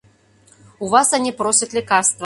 У вас они просят лекарства.